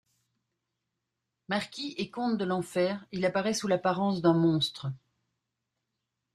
Marquis et comte de l'enfer, il apparait sous l'apparence d'un monstre.